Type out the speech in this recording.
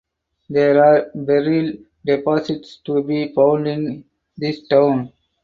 There are beryl deposits to be found in this town.